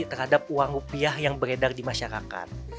terhadap uang rupiah yang beredar di masyarakat